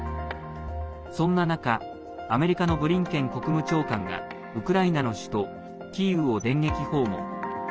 そんな中、アメリカのブリンケン国務長官がウクライナの首都キーウを電撃訪問。